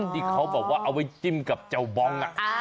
ที่เขาบอกว่าเอาไว้จิ้มกับเจ้าบอง